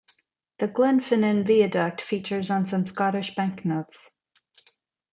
The Glenfinnan Viaduct features on some Scottish banknotes.